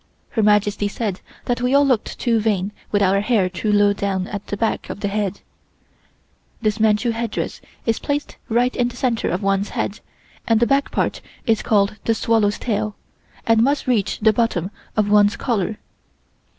Her Majesty said that we all looked too vain with our hair too low down at the back of the head. (This Manchu headdress is placed right in the center of one's head and the back part is called the swallow's tail, and must reach the bottom part of one's collar.)